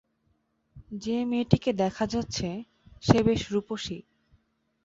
যে মেয়েটিকে দেখা যাচ্ছে, সে বেশ রুপসী।